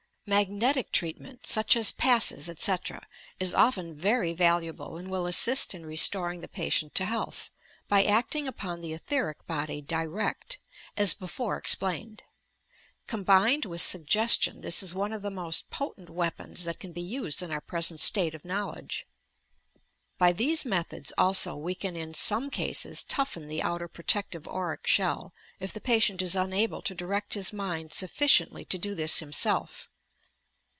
Magnetic treatment, such as passes etc., is often very valuable, and will assist in restoring the patient to health, by acting upon the ethcric body direct, as before ex plained. Combined with suggestion, this is one of the most potent weapons that can be used in our present state of knowledge. By these methods, also, we can in some eases toughen the outer protective auric shell, if the patient is unable to direct his mind sufficiently to do this himself.